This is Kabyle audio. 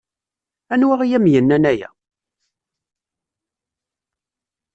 Anwa ay am-yennan aya?